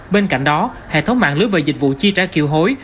bên cạnh đó hệ thống mạng lưới về dịch vụ chi trả kiều hối